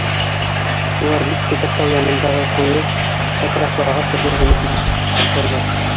Улар бик текә тау янындағы ҡуйы япраҡлы ағас эргәһенә килеп туҡтайҙар.